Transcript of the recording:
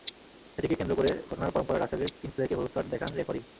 সেটিকে কেন্দ্র করে ঘটনার পরম্পরায় রাসেলের কিংসলেকে হলুদ কার্ড দেখান রেফারি।